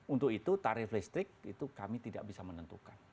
untuk itu tarif listrik itu kami tidak bisa menentukan